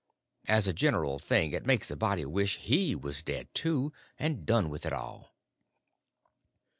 As a general thing it makes a body wish he was dead, too, and done with it all.